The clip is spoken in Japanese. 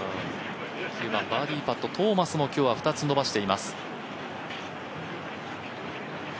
９番バーディーパット、トーマスも今日２つ伸ばしています。